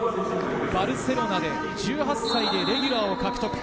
バルセロナで１８歳でレギュラーを獲得。